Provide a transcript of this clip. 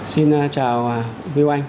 xin chào viu anh